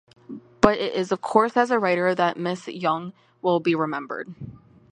But it is of course as a writer that Miss Yonge will be remembered.